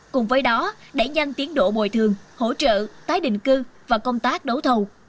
cùng với đó đẩy nhanh tiến độ bồi thường hỗ trợ tái định cư và công tác đấu thầu